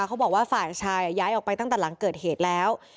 เขาบอกว่าฝ่ายชายย้ายออกไปตั้งแต่หลังเกิดเหตุแล้ว